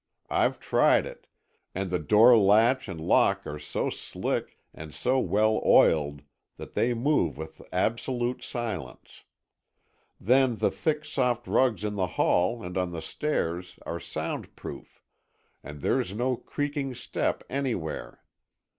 I've tried it, and the door latch and lock are so slick and so well oiled that they move with absolute silence. Then the thick, soft rugs in the hall and on the stairs are soundproof, and there's no creaking step anywhere.